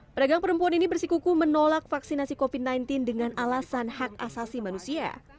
pedagang perempuan ini bersikuku menolak vaksinasi covid sembilan belas dengan alasan hak asasi manusia